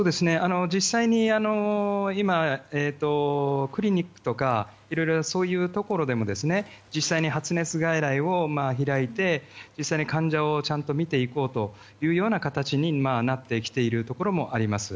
今、クリニックとかそういうところでも実際に発熱外来を開いて実際に患者をちゃんと診ていこうという形になってきているところもあります。